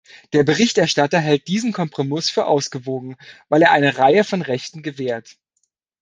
Der Berichterstatter hält diesen Kompromiss für ausgewogen, weil er eine Reihe von Rechten gewährt.